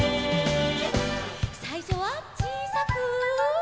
さいしょはちいさく。